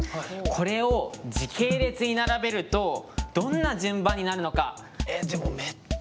これを時系列に並べるとどんな順番になるのか。